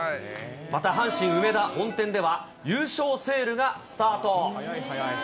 また阪神梅田本店では、優勝セールがスタート。